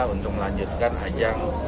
untuk melanjutkan ajang